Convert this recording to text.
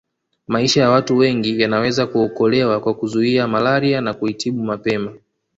Maisha ya watu wengi yanaweza kuokolewa kwa kuzuia malaria na kuitibu mapema